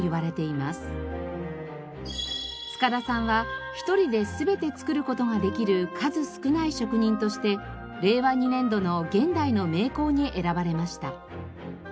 塚田さんは一人で全て作る事ができる数少ない職人として令和２年度の現代の名工に選ばれました。